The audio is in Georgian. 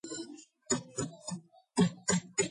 მედრესეში ყოფნის დროს ატარებდა თავსაფარს.